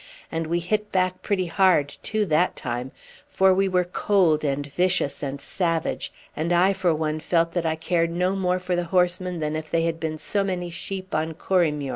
And we hit back pretty hard too that time, for we were cold and vicious and savage, and I for one felt that I cared no more for the horsemen than if they had been so many sheep on Corriemuir.